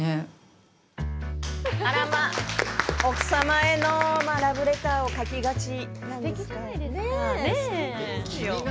奥様へのラブレターを書きがちなんですね。